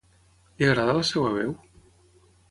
Li agrada la seva veu?